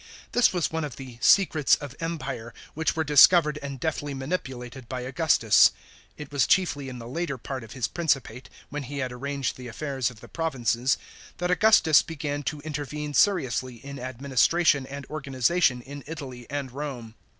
This was one of the " secrets of empire," which were discovered and deftly manipulated by Augustus. It was chiefly in the later part of his principate, when he had arranged the affairs of the provinces, that Augustus began to intervene seriously in administration and organisation in Italy and Rome.